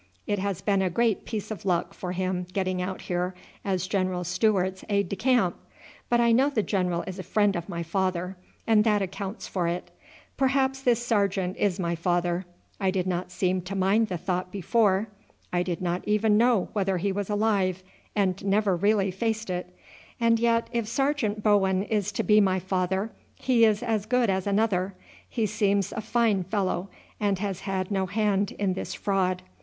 It has been a great piece of luck for him getting out here as General Stewart's aide de camp, but I know the general is a friend of my father, and that accounts for it. Perhaps this sergeant is my father. I did not seem to mind the thought before. I did not even know whether he was alive, and never really faced it; and yet, if Sergeant Bowen is to be my father, he is as good as another. He seems a fine fellow, and has had no hand in this fraud.